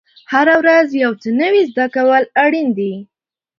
هره ورځ یو څه نوی زده کول اړین دي.